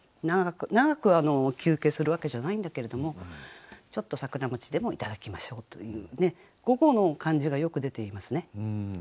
長く休憩するわけじゃないんだけれどもちょっと桜でもいただきましょうというね午後の感じがよく出ていますね。